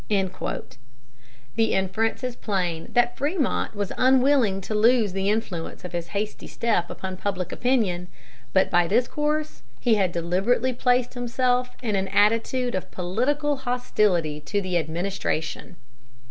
The inference is plain that Frémont was unwilling to lose the influence of his hasty step upon public opinion. But by this course he deliberately placed himself in an attitude of political hostility to the administration.